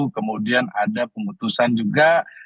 kemudian ada pemutusan juga